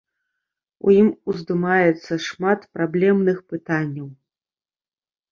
У ім уздымаецца шмат праблемных пытанняў.